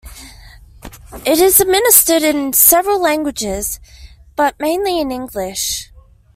It is administered in several languages, but mainly in English.